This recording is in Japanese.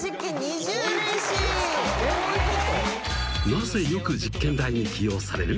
［なぜよく実験台に起用される？］